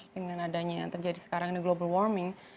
dengan adanya yang terjadi sekarang ini global warming